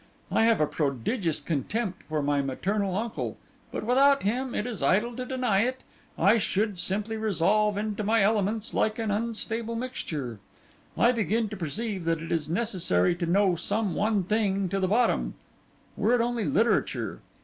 I have a prodigious contempt for my maternal uncle; but without him, it is idle to deny it, I should simply resolve into my elements like an unstable mixture. I begin to perceive that it is necessary to know some one thing to the bottom—were it only literature.